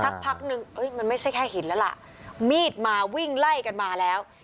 พักนึงมันไม่ใช่แค่หินแล้วล่ะมีดมาวิ่งไล่กันมาแล้ว